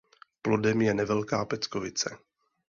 Plodem je nevelká peckovice.